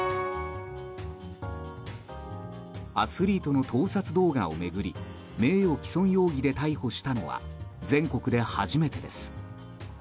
アスリートの盗撮動画を巡り名誉毀損容疑で逮捕したのは全国で初めてです。